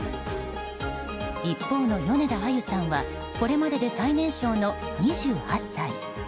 一方の米田あゆさんはこれまでで最年少の、２８歳。